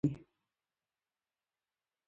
بادام د افغان کلتور او ملي دودونو سره تړاو لري.